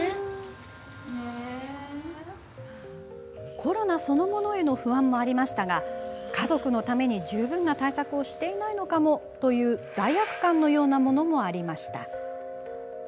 コロナそのものへの不安もありましたが家族のために十分な対策をしていないのかもという罪悪感のようなものもありました。